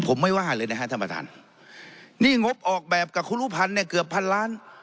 ผมไม่ว่าเลยนะฮะท่านประธานนี่งบออกแบบกับคุณรุพันธ์เนี่ยเกือบพันล้าน